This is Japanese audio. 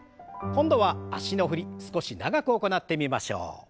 今度は脚の振り少し長く行ってみましょう。